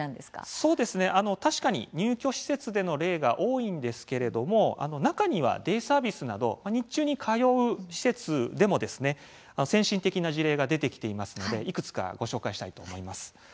そうですね、確かに入居施設での例が多いんですけれども、中にはデイサービスなど日中に通う施設でも先進的な事例が出てきていますのでいくつかご紹介したいと思います。